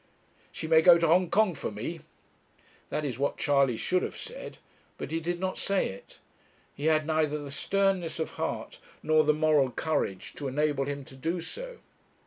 'She may go to Hong Kong for me.' That is what Charley should have said. But he did not say it. He had neither the sternness of heart nor the moral courage to enable him to do so.